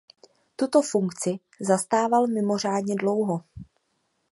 Tuto funkci zastával mimořádně dlouho.